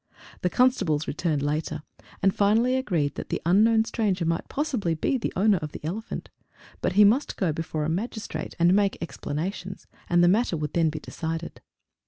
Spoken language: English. The constables returned later, and finally agreed that the unknown stranger might possibly be the owner of the elephant, but he must go before a Magistrate, and make explanations, and the matter would then be decided.